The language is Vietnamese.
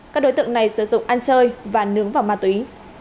các đối tượng này sử dụng ăn chơi và nướng vào ma túy